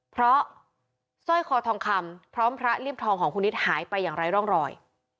เพราะสร้อยคอทองคำพร้อมพระเลี่ยมทองของคุณนิดหายไปอย่างไร้ร่องรอย